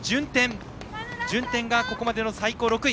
順天が、ここまでの最高６位。